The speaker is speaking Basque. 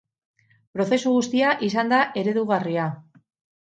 Prozesu guztia izan da eredugarria.